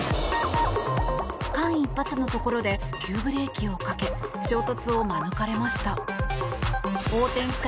間一髪のところで急ブレーキをかけ衝突を免れました。